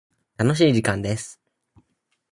楽しい時間です。